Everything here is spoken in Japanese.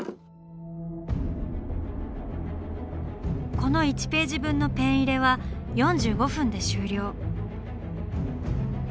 この１ページ分のペン入れは４５分で終了。